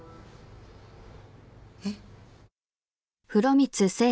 えっ？